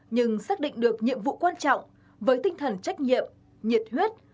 nhưng xác định được nhiệm vụ quan trọng với tinh thần trách nhiệm nhiệt huyết